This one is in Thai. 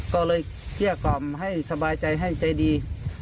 ก็เลยเกลี้ยกล่อมให้สบายใจให้ใจดี